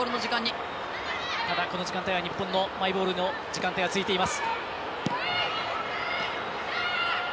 この時間帯は日本のマイボールの時間帯が続いています。